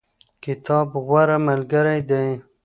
کتاب غوره ملګری دی.